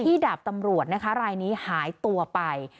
ที่ดาบตำรวจรายนี้หายตัวไป